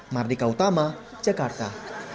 mardika utama jakarta